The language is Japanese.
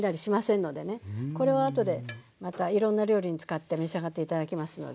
これをあとでまたいろんな料理に使って召し上がって頂きますので。